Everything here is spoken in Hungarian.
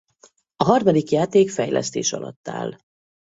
A harmadik játék fejlesztés alatt áll.